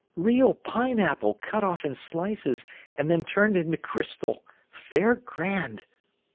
"Real pineapple, cut off in slices, and then turned into crystal—fair grand!"